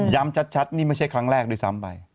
ชัดนี่ไม่ใช่ครั้งแรกด้วยซ้ำไป